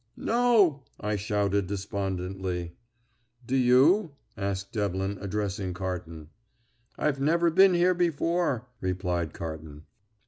"No," I shouted despondently. "Do you?" asked Devlin, addressing Carton. "I've never been here before," replied Carton.